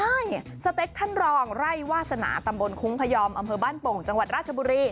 ใช่สเต็กท่านรองไร่วาสนาตำบลคุ้งพยอมอำเภอบ้านโป่งจังหวัดราชบุรี